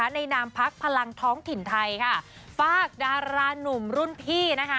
ในนามพักพลังท้องถิ่นไทยฟากดาราหนุ่มรุ่นพี่